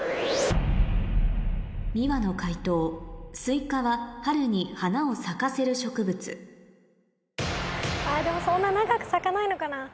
ｍｉｗａの解答スイカは春に花を咲かせる植物あでもそんな長く咲かないのかな？